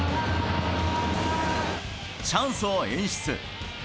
チャンスを演出。